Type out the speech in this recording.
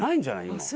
今。